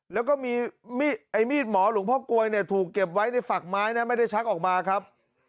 แล้วก็มีไอ้มีดหมอหลวงพ่อกลวยเนี่ยถูกเก็บไว้ในฝักไม้นะไม่ได้ชักออกมาครับ